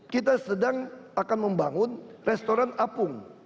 kita sedang akan membangun restoran apung